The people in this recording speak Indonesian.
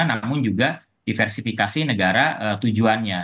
namun juga diversifikasi negara tujuannya